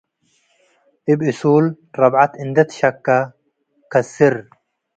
እብ እሱል ረብዐት እንዴ ትሸከ ከስር ።